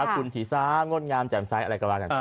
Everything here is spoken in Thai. พระคุณที่๓งดงามแจ่มใสอะไรก็ว่าจัง